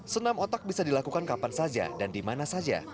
senam otak bisa dilakukan kapan saja dan dimana saja